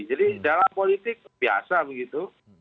jadi dalam politik biasa begitu